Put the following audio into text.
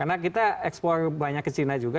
karena kita ekspor banyak ke china juga